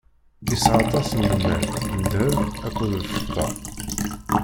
Isɛa aṭas n lmal, n ddheb akked lfeṭṭa.